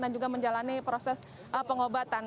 dan juga menjalani proses pengobatan